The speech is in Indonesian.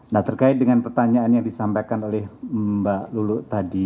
nah terkait dengan pertanyaan yang disampaikan oleh mbak lulu tadi